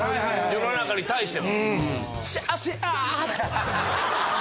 世の中に対しても。